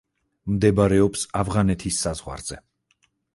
მდებარეობს ავღანეთის საზღვარზე.